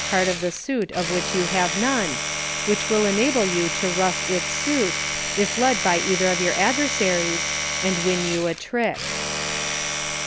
119 card of the suit of which you have none, which will enable you to ruff its suit, if led by either of your adversaries, and win you a trick.